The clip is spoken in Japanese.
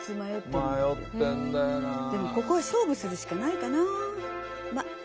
でもここは勝負するしかないかなあ。